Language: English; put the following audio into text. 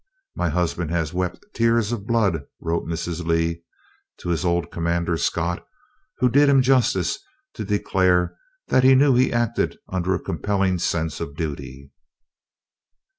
'My husband has wept tears of blood,' wrote Mrs. Lee to his old commander, Scott, who did him the justice to declare that he knew he acted under a compelling sense of duty."